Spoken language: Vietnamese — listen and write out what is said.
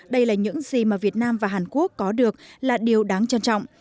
đây là những gì mà việt nam và hàn quốc có được là điều đáng trân trọng